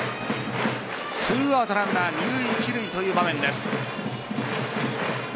２アウトランナー二塁・一塁という場面です。